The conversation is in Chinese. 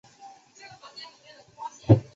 席尼喇嘛的家产归乌审旗衙门所有。